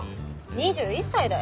２１歳だよ。